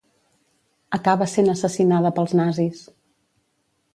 Acaba sent assassinada pels nazis.